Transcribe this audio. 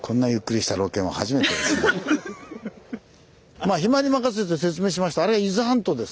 まぁ暇に任せて説明しますとあれ伊豆半島です。